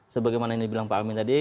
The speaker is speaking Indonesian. sebagaimana yang dibilang pak amin tadi